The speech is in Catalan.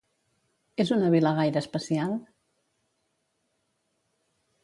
És una vila gaire especial?